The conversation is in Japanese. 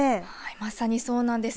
まさにそうなんです。